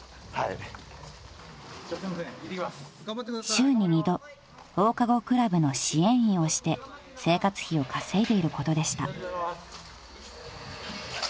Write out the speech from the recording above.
［週に２度放課後クラブの支援員をして生活費を稼いでいることでした］